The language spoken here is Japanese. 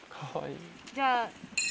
じゃあ。